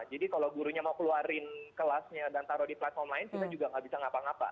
jadi kalau gurunya mau keluarin kelasnya dan taruh di platform lain kita juga nggak bisa ngapa ngapa